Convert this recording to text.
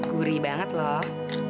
guri banget loh